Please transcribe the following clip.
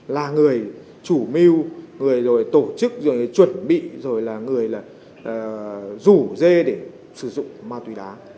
là người chủ mưu người rồi tổ chức rồi chuẩn bị rồi là người là rủ dê để sử dụng ma túy đá